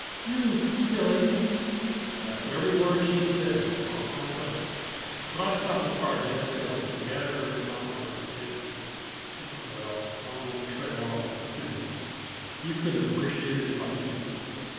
"You silly!" That's every word she said, on my oath. But I stopped that car dead still and gathered her into my arms, and Oh, well, I won't trail off into sentiment, you couldn't appreciate it if I did.